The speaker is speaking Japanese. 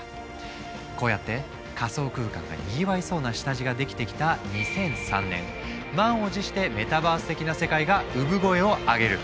こうやって仮想空間がにぎわいそうな下地ができてきた２００３年満を持してメタバース的な世界が産声を上げる。